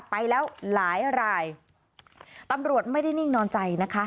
ไปแล้วหลายรายตำรวจไม่ได้นิ่งนอนใจนะคะ